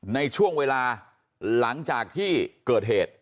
ในช่วงเวลาหลังจากที่เกิดเหตุ